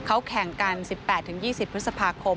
เขาแข่งกัน๑๘๒๐พฤษภาคม